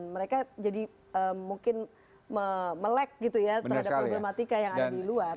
mereka jadi mungkin melek gitu ya terhadap problematika yang ada di luar